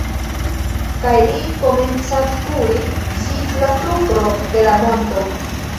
Kaj li komencas kuri ĝis la supro de la monto.